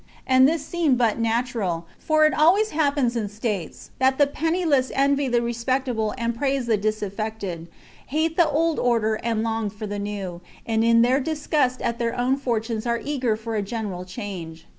And thi seemed but natural, for it always happens in states that the penniless envy the re spectable and praise the disafifected, hate the old order and long for the new, and in their disgust at their own fortunes are eager for a general change.